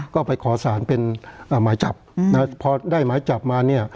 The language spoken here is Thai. ก็ไปขอสารเป็นหมายจับพอได้หมายจับมาเนี่ย